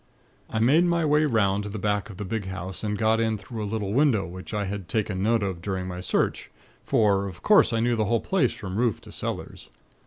"I made my way 'round to the back of the big house, and got in through a little window which I had taken note of during my search; for, of course, I knew the whole place from roof to cellars.